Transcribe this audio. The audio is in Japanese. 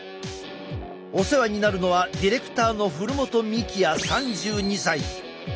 お世話になるのはディレクターの古元幹也３２歳。